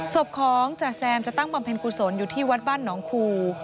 ศพของจ๋าแซมจะตั้งบำเพ็ญกุศลอยู่ที่วัดบ้านหนองคู